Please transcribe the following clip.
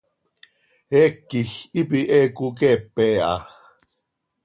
Heec quij hipi he coqueepe ha.